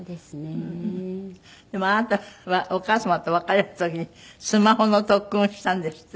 でもあなたはお母様と別れる時にスマホの特訓をしたんですって？